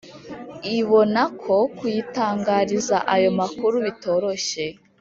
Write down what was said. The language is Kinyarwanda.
Ibonako kuyitangariza ayo makuru bitoroshye